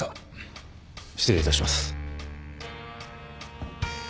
失礼いたします。